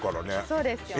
そうですよ